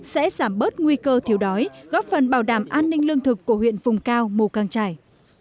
sẽ giảm bớt nguy cơ thiếu đói góp phần bảo đảm an ninh lương thực của huyện vùng cao mù căng trải